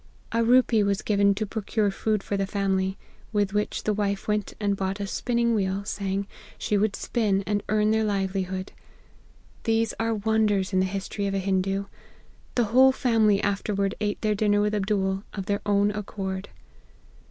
A rupee was given to procure food for the family, with which the wife went and bought a spinning wheel, saying, she would spin and earn their livelihood. These are wonders in the history of a Hindoo. The whole family after ward ate their dinner with Abdool, of their own accord.